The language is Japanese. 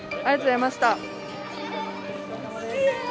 ありがとうございます。